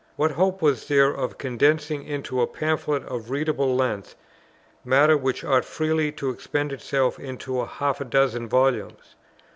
What hope was there of condensing into a pamphlet of a readable length, matter which ought freely to expand itself into half a dozen volumes?